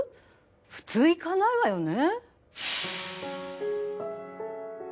普通行かないわよね？